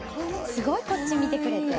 すごいこっち見てくれて。